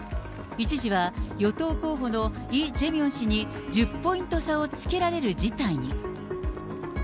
一時は与党候補のイ・ジェミョン氏に１０ポイント差をつけられる事態に。